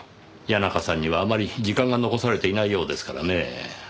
谷中さんにはあまり時間が残されていないようですからねぇ。